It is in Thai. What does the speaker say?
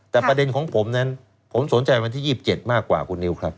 แต่ประเด็นของผมนั้นผมสนใจวันที่๒๗มากกว่าคุณนิวครับ